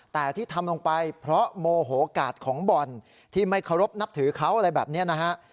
แต่ที่ทำลงไปเพราะโมโหกาดของบ่อนที่ไม่เคารพนับถือเขาอะไรแบบนี้นะฮะ